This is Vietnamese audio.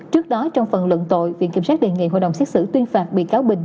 trước đó trong phần luận tội viện kiểm sát đề nghị hội đồng xét xử tuyên phạt bị cáo bình